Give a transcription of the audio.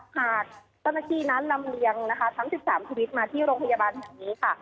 หากเจ้าหน้าที่นั้นลำเลียงนะคะทั้ง๑๓ชีวิตมาที่โรงพยาบาลแห่งนี้ค่ะ